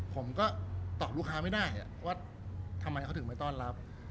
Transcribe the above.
ผมก็ตอบลูกค้าไม่ได้ว่าทำไมเขาถึงไม่ต้อนรับ